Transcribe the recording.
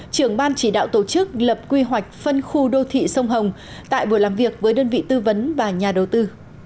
trưởng ban chỉ đạo tổ chức lập quy hoạch phân khu đô thị sông hồng tại buổi làm việc với đơn vị tư vấn và nhà đầu tư